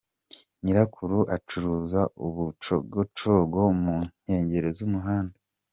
Nyirakuru acuruza uducogocogo mu nkengero z’umuhanda.